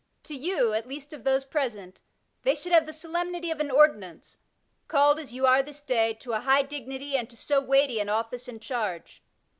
To you, at least of those present, they should have the solemnity of an ordinance — called as you are this day to a high dignity and to so weighty an o£5ice and charge.